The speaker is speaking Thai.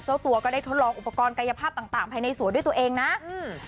เจ้าตัวก็ได้ทดลองอุปกรณ์กายภาพต่างต่างภายในสวนด้วยตัวเองนะอืม